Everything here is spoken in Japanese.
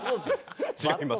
違います。